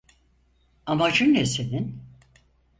Amacın ne senin?